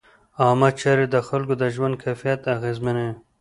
عامه چارې د خلکو د ژوند کیفیت اغېزمنوي.